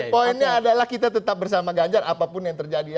poinnya adalah kita tetap bersama ganjar apapun yang terjadi